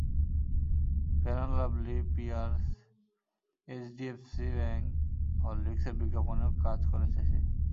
Fair and lovely, Pears, HDFC bank, হরলিকসের বিজ্ঞাপনেও কাজ করেছে সে।